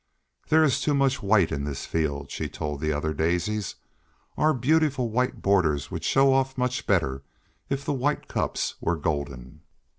"There is too much white in this field," she told the other Daisies. "Our beautiful white borders would show off much better if the White Cups were golden."